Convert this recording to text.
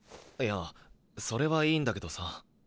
いやそれはいいんだけどさ。